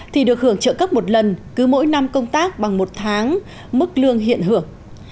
thì được hưởng trợ cấp một lần cứ mỗi năm công tác bằng một tháng mức lương hiện hưởng